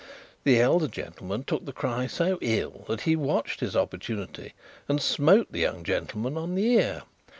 The elder gentleman took the cry so ill, that he watched his opportunity, and smote the young gentleman on the ear.